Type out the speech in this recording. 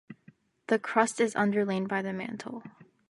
The crust is underlain by the mantle.